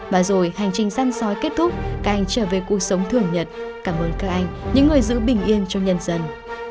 và rồi hành trình săn sói kết thúc các anh trở về cuộc sống thường nhật cảm ơn các anh những người giữ bình yên cho nhân dân